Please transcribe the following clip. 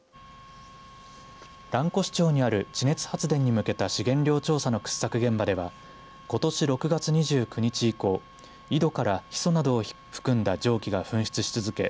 蘭越町にある地熱発電に向けた資源量調査の掘削現場ではことし６月２９日以降井戸からヒ素などを含んだ蒸気が噴出し続け